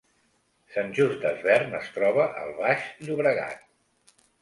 Sant Just Desvern es troba al Baix Llobregat